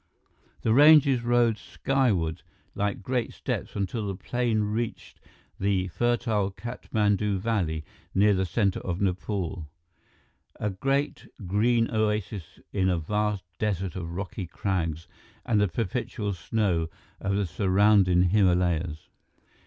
The ranges rose skyward like great steps until the plane reached the fertile Katmandu Valley near the center of Nepal, a great green oasis in a vast desert of rocky crags and the perpetual snow of the surrounding Himalayas.